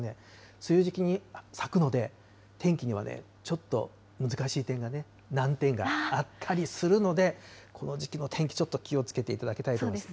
梅雨時期に咲くので、天気にはちょっと難しい点がね、なんてんがあったりするので、この時期の天気、ちょっと気をつけていただきたいと思います。